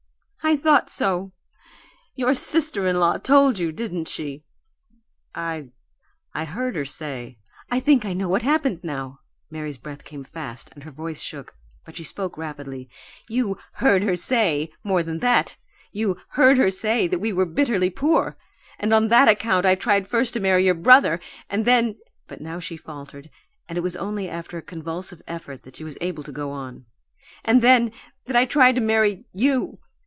"I thought so! Your sister in law told you, didn't she?" "I I heard her say " "I think I know what happened, now." Mary's breath came fast and her voice shook, but she spoke rapidly. "You 'heard her say' more than that. You 'heard her say' that we were bitterly poor, and on that account I tried first to marry your brother and then " But now she faltered, and it was only after a convulsive effort that she was able to go on. "And then that I tried to marry you!